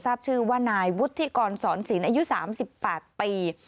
ทราบชื่อว่านายวุฒิที่ก่อนสอนศีลอายุ๓๘ปี